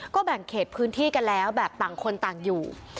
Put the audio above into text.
ก็แบ่งเขตพื้นที่กันแล้วแบบต่างคนต่างอยู่